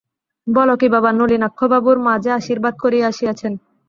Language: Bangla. বল কী বাবা, নলিনাক্ষবাবুর মা যে আশীর্বাদ করিয়া আসিয়াছেন!